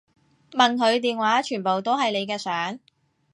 同佢電話全部都係你嘅相